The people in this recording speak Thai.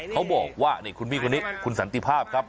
เขาบอกว่านี่คุณพี่คนนี้คุณสันติภาพครับ